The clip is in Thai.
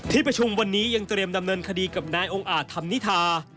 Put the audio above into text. ที่ประชุมวันนี้ยังเตรียมดำเนินคดีกับนายองค์อาจธรรมนิธา